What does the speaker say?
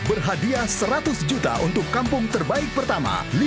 berhadiah seratus juta untuk kampung terbaik pertama